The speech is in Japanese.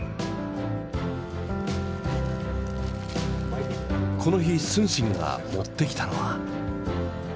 この日承信が持ってきたのは。